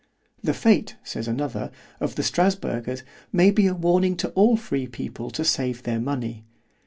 The fate, says another, of the Strasburgers, may be a warning to all free people to save their money.